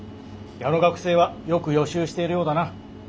矢野学生はよく予習しているようだな。